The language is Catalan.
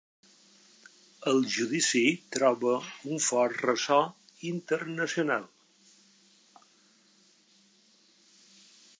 El judici troba un fort ressò internacional.